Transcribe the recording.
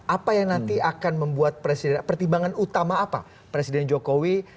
apa yang nanti akan membuat presiden pertimbangan utama apa presiden jokowi